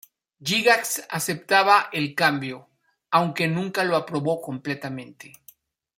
Gygax aceptaba el cambio, aunque nunca lo aprobó completamente.